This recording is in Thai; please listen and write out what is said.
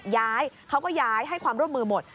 ย้ายเขาก็ย้ายให้ความร่วมมือหมด